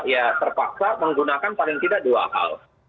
ya terpaksa menggunakan paling tidak dua hal